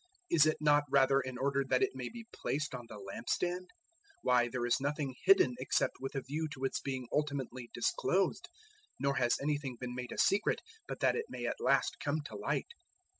Is it not rather in order that it may be placed on the lampstand? 004:022 Why, there is nothing hidden except with a view to its being ultimately disclosed, nor has anything been made a secret but that it may at last come to light.